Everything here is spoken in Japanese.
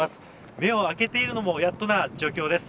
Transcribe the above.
目を開けているのもやっとな状況です。